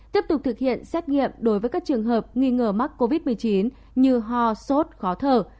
tiếp tục thực hiện xét nghiệm đối với các trường hợp nghi ngờ mắc covid một mươi chín như ho sốt khó thở